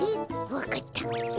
わかった。